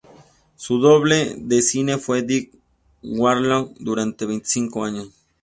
Su doble de cine fue Dick Warlock, durante veinticinco años.